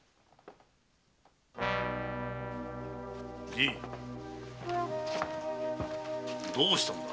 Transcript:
じいどうしたのだ？